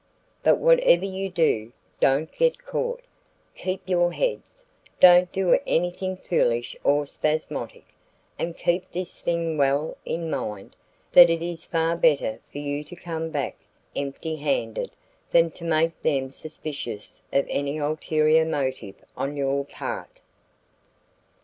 But whatever you do, don't get caught. Keep your heads, don't do anything foolish or spasmodic, and keep this thing well in mind, that it is far better for you to come back empty handed than to make them suspicious of any ulterior motive on your part."